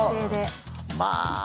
まあ。